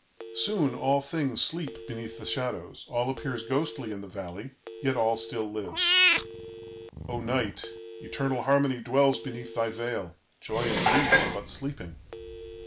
"Soon all things sleep beneath the shadows, all appears ghostly in the valley; yet all still lives. "O Night! Eternal Harmony dwells beneath thy veil; joy and grief are but sleeping.